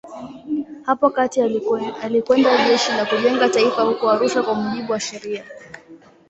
Hapo kati alikwenda Jeshi la Kujenga Taifa huko Arusha kwa mujibu wa sheria.